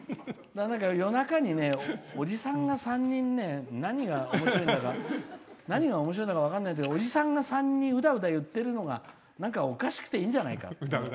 夜中にね、おじさんが３人ね何がおもしろいんだか分からないけどおじさんが３人うだうだ言ってるのがなんかおかしくていいんじゃないかって。